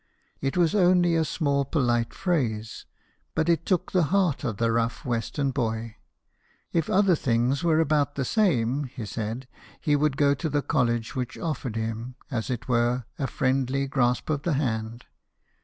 It was only a small polite phrase ; but it took the heart of the rough western boy. If other things were about the same, he said, he would go to the college which offered him, as it were, a friendly grasp of the hand.